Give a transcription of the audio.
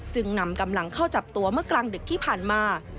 จึงนำกำลังเข้าจับตัวเมื่อกลางดึกที่ผ่านมา